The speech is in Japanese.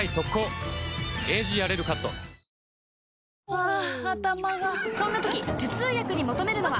ハァ頭がそんな時頭痛薬に求めるのは？